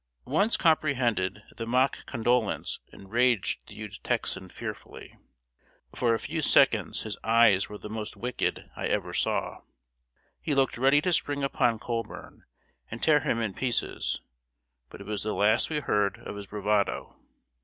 Once comprehended, the mock condolence enraged the huge Texan fearfully. For a few seconds his eyes were the most wicked I ever saw. He looked ready to spring upon Colburn and tear him in pieces; but it was the last we heard of his bravado.